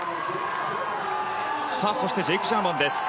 そしてジェイク・ジャーマンです。